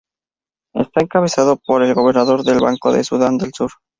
Está encabezado por el Gobernador del Banco de Sudán del Sur.